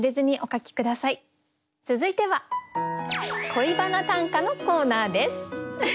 続いては「恋バナ短歌」のコーナーです。